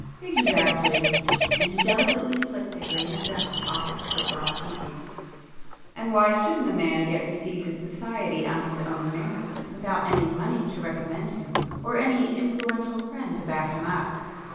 "Exactly!" and he delicately flicked a grain of dust off his coat while speaking—"And why shouldn't a man get received in society on his own merits, without any money to recommend him or any influential friend to back him up?"